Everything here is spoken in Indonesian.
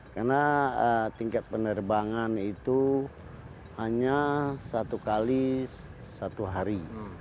karena tingkat penerbangan itu hanya satu kali satu hari